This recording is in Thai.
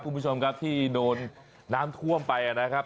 คุณผู้ชมครับที่โดนน้ำท่วมไปนะครับ